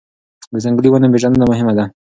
د ځنګلي ونو پېژندنه مهمه ده.